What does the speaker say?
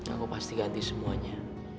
aku pasti ganti semuanya